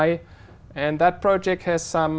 dành nhiều năm